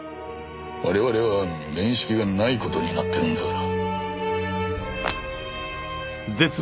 我々は面識がない事になっているんだから。